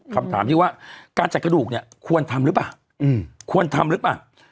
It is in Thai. คำถามที่ว่าการจัดกระดูกเนี่ยควรทำหรือเปล่าควรทำหรือเปล่า